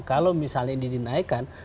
kalau misalnya ini dinaikkan